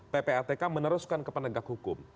ppatk meneruskan ke penegak hukum